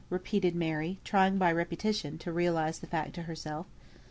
repeated Mary, trying by repetition to realise the fact to herself.